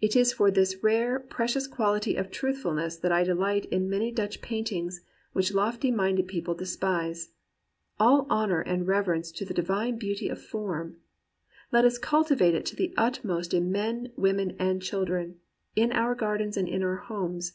"It is for this rare, precious quality of truthful ness that I delight in many Dutch paintings, which lofty minded people despise. ... All honour and reverence to the divine beauty of form ! Let us cultivate it to the utmost in men, women, and children — in our gardens and in our homes.